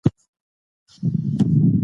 ازادي د هر انسان مسلم حق دی.